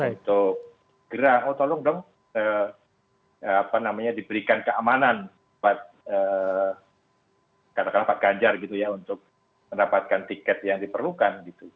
untuk gerah oh tolong dong diberikan keamanan buat katakanlah pak ganjar gitu ya untuk mendapatkan tiket yang diperlukan gitu